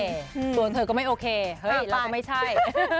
ส่วนเธอก็ไม่โอเคเฮ้ยเราก็ไม่ใช่